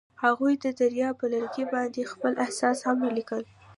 هغوی د دریا پر لرګي باندې خپل احساسات هم لیکل.